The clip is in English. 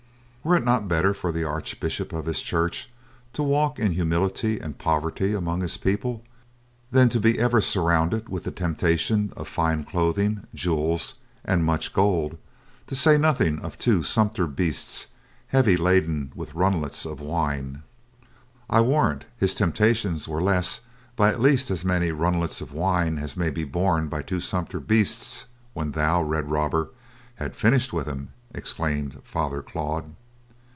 Were it not better for an Archbishop of His Church to walk in humility and poverty among His people, than to be ever surrounded with the temptations of fine clothing, jewels and much gold, to say nothing of two sumpter beasts heavy laden with runlets of wine?" "I warrant his temptations were less by at least as many runlets of wine as may be borne by two sumpter beasts when thou, red robber, had finished with him," exclaimed Father Claude.